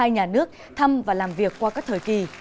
hai nhà nước thăm và làm việc qua các thời kỳ